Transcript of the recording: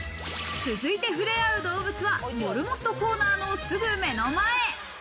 続いて触れ合う動物は、モルモットコーナーのすぐ目の前。